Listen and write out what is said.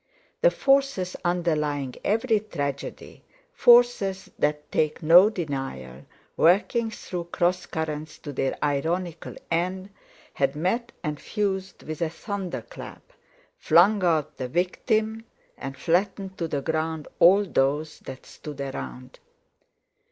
The forces underlying every tragedy—forces that take no denial, working through cross currents to their ironical end, had met and fused with a thunder clap, flung out the victim, and flattened to the ground all those that stood around.